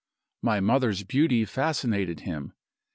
My mother's beauty fascinated him.